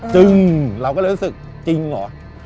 เราก็เลยรู้สึกจริงเหรอ